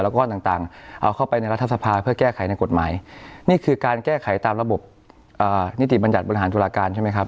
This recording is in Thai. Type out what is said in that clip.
ก็แก้ไขในกฎหมายนี่คือการแก้ไขตามระบบนิติบัญญัติบริหารตุลาการใช่ไหมครับ